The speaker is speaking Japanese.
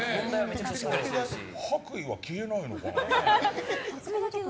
白衣は消えないのかな。